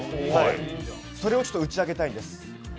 それを打ち明けたいんです。